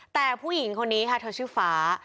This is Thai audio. แต่ผู้หญิงคนนี้ค่ะเธอชื่อฟ้า